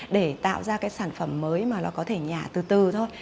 để tạo ra cái sản phẩm mới mà nó có thể nhả từ từ thôi